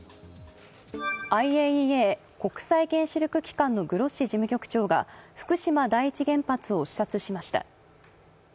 ＩＡＥＡ＝国際原子力機関のグロッシ事務局長が福島第一原発を視察しました。